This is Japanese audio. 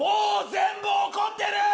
全部怒ってるよ。